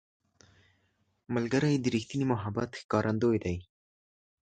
ملګری د ریښتیني محبت ښکارندوی دی